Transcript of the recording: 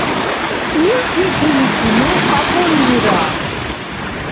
Ил пикриличи ну кьабуллира.